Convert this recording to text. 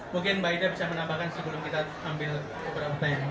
mungkin mbak ida bisa menambahkan sebelum kita ambil beberapa pertanyaan